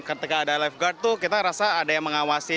ketika ada lifeguard tuh kita rasa ada yang mengawasi